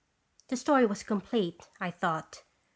The story was complete, I thought.